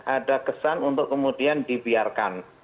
ada kesan untuk kemudian dibiarkan